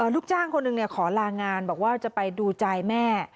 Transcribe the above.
ลูกจ้างคนหนึ่งขอลางานบอกว่าจะไปดูใจแม่